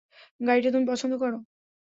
গাড়িটা তুমি পছন্দ করো?